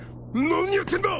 何やってんだ！